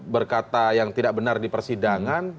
berkata yang tidak benar di persidangan